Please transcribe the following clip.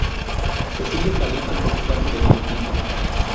Se sirve caliente con un vaso de vino tinto.